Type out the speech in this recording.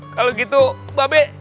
kalau gitu babe